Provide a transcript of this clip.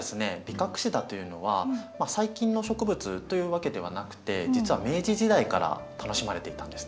ビカクシダというのは最近の植物というわけではなくて実は明治時代から楽しまれていたんですね。